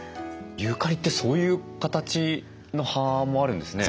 ユーカリってそういう形の葉もあるんですね。